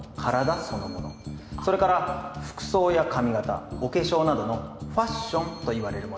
それから服装や髪形お化粧などのファッションといわれるもの。